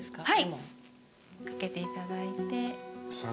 はい掛けていただいて。